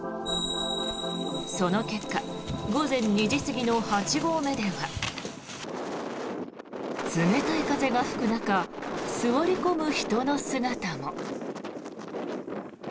その結果午前２時過ぎの８合目では冷たい風が吹く中座り込む人の姿も。